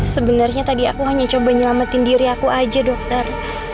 sebenarnya tadi aku hanya coba nyelamatin diri aku aja dokter